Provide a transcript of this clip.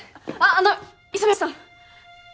あの磯部さん